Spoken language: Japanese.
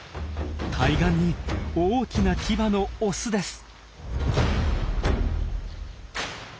対岸に大きな牙のオスです。